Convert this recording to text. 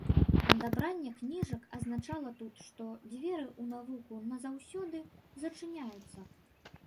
Адабранне кніжак азначала тут, што дзверы ў навуку назаўсёды зачыняюцца.